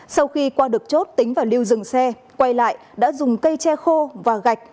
sau khi qua được chốt tính và lưu dừng xe quay lại đã dùng cây tre khô và gạch